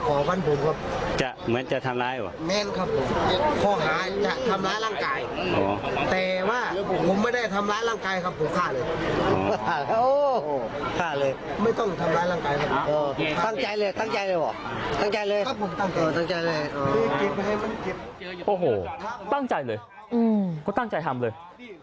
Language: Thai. โอ้โหตั้งใจเลยเขาตั้งใจทำเลย